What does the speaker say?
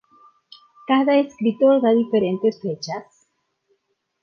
Cada escritor da diferentes fechas.